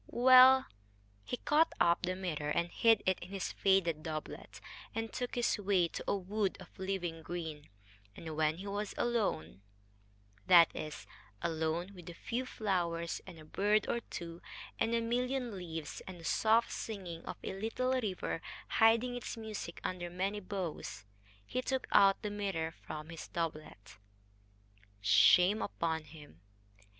Well, he caught up the mirror and hid it in his faded doublet, and took his way to a wood of living green, and when he was alone that is, alone with a few flowers and a bird or two, and a million leaves, and the soft singing of a little river hiding its music under many boughs he took out the mirror from his doublet. Shame upon him!